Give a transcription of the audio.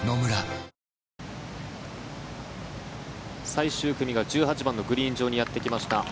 最終組が１８番のグリーン上にやってきました。